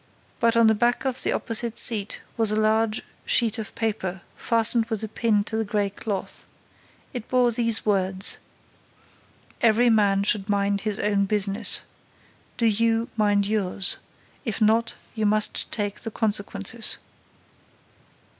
But, on the back of the opposite seat, was a large sheet of paper, fastened with a pin to the gray cloth. It bore these words: "Every man should mind his own business. Do you mind yours. If not, you must take the consequences."